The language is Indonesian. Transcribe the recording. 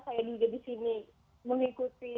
saya juga disini mengikuti